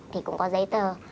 thì cũng có giấy tờ